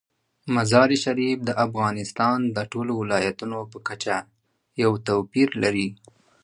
مزارشریف د افغانستان د ټولو ولایاتو په کچه یو توپیر لري.